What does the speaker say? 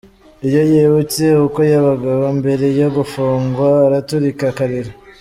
Iyo yibutse uko yabagaho mbere yo gufungwa araturika akarira.